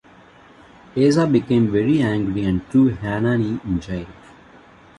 Asa became very angry and threw Hanani in jail.